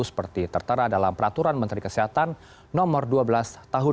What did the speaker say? seperti tertera dalam peraturan menteri kesehatan no dua belas tahun dua ribu dua puluh